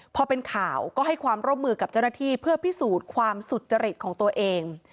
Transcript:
พอเป็นข่าวก็ให้ความร่วมมือกับเจ้าหน้าที่เพื่อพิสูจน์ความสุจริตของตัวเอง